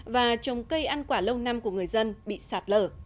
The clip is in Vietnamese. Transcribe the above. và trồng cây ăn quả lâu năm của người dân bị sạt lở